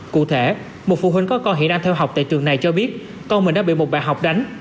cụ thể một phụ huynh có con hiện đang theo học tại trường này cho biết con mình đã bị một bài học đánh